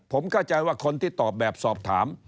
ผมเข้าใจว่าคนที่ตอบแบบสอบถาม